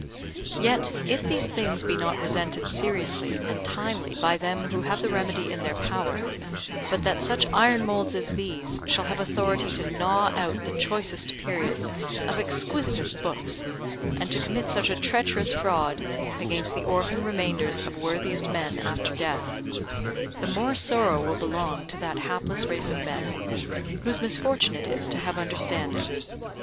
Yet if these things be not resented seriously and timely by them who have the remedy in their power, but that such iron moulds as these shall have authority to gnaw out the choicest periods of exquisitest books, and to commit such a treacherous fraud against the orphan remainders of worthiest men after death, the more sorrow will belong to that hapless race of men, whose misfortune it is to have understanding.